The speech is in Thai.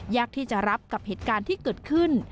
ยากที่จะรับกับเหตุการณ์ที่เกิดขึ้น